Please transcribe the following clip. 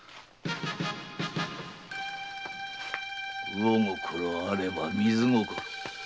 「魚心あれば水心」